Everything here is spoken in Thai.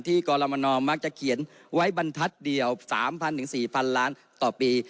กรมนมักจะเขียนไว้บรรทัศน์เดียว๓๐๐๔๐๐๐ล้านต่อปี